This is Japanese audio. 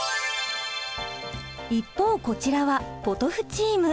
一方こちらはポトフチーム。